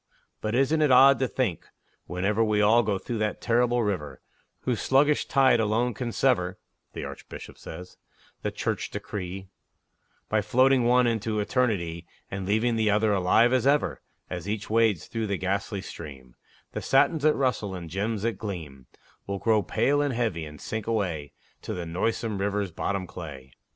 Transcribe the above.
But isn't it odd to think, whenever We all go through that terrible River Whose sluggish tide alone can sever (The Archbishop says) the Church decree, By floating one in to Eternity And leaving the other alive as ever As each wades through that ghastly stream, The satins that rustle and gems that gleam, Will grow pale and heavy, and sink away To the noisome River's bottom clay!